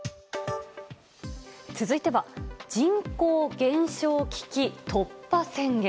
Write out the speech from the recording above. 続いては人口減少危機突破宣言。